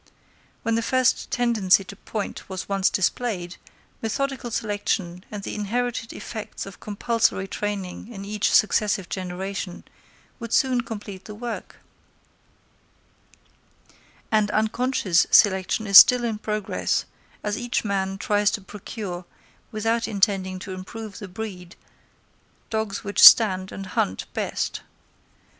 When the first tendency to point was once displayed, methodical selection and the inherited effects of compulsory training in each successive generation would soon complete the work; and unconscious selection is still in progress, as each man tries to procure, without intending to improve the breed, dogs which stand and hunt best.